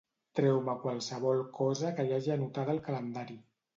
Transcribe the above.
Treu-me qualsevol cosa que hi hagi anotada al calendari.